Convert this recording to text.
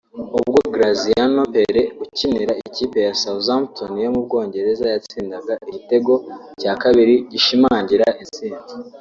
ubwo Graziano Pelle ukinira ikipe ya Southampton yo mu Bwongereza yatsindaga igitego cya kabiri gishimangira intsinzi